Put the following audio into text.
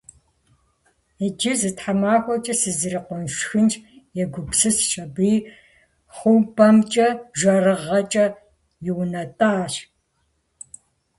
«Иджы зы тхьэмахуэкӀэ сызрикъун сшхынщ», - егупсысщ аби, хъупӀэмкӀэ жэрыгъэкӀэ иунэтӀащ.